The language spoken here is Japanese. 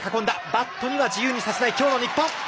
バットには自由にさせない今日の日本！